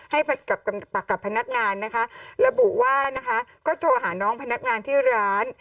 ให้กับพนักงานนะคะระบุว่านะคะก็โทรหาน้องพนักงานที่ร้าน